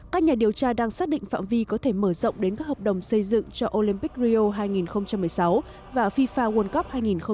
các nhà điều tra đang xác định phạm vi có thể mở rộng đến các hợp đồng xây dựng cho olympic rio hai nghìn một mươi sáu và fifa world cup hai nghìn một mươi chín